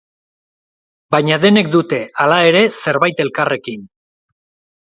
Baina denek dute, hala ere, zerbait elkarrekin.